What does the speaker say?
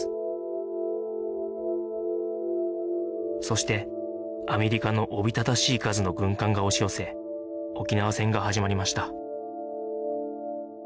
そしてアメリカのおびただしい数の軍艦が押し寄せ沖縄戦が始まりました